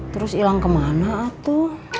terus ilang kemana atau